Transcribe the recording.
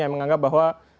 saya menganggap bahwa